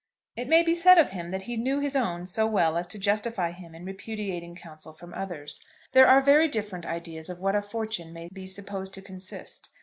It may be said of him that he knew his own so well as to justify him in repudiating counsel from others. There are very different ideas of what "a fortune" may be supposed to consist.